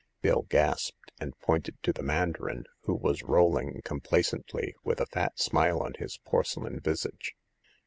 Bill gasped, and pointed to the mandarin, who was rolling complacently, with a fat smile on his porcelain visage.